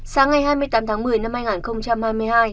sáng ngày hai mươi tám tháng một mươi năm hai nghìn hai mươi hai